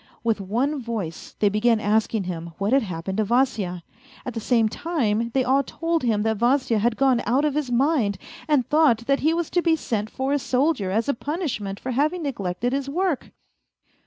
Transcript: With one voice they began asking him what had happened to Vasya ? At the same time they all told him that A FAINT HEART 196 Vasya had gone out of his mind, and thought that he was to be sent for a soldier as a punishment for having neglected his work.